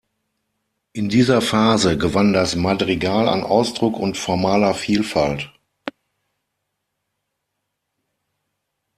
In dieser Phase gewann das Madrigal an Ausdruck und formaler Vielfalt.